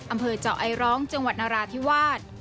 อำเภอเจาะไอร้องจังหวัดนราธิวาส